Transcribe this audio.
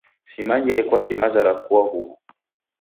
Simanyire kwaki maza rakua huw'u!